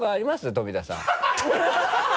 富田さん。